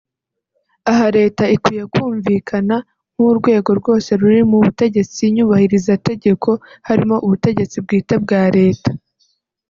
Aha Leta ikwiye kumvikana nk’ urwego rwose ruri mu butegetsi Nyubahirizategeko harimo ubutegetsi bwite bwa Leta